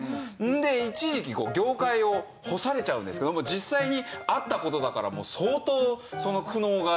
で一時期業界を干されちゃうんですけども実際にあった事だから相当その苦悩がリアルで。